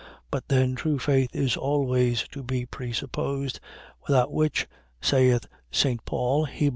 But then true faith is always to be presupposed, without which (saith St. Paul, Heb.